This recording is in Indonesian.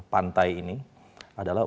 pantai ini adalah